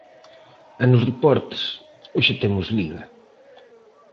E nos deportes, hoxe temos Liga.